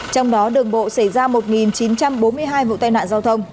trong đó đường bộ xảy ra một chín trăm bốn mươi hai vụ tai nạn giao thông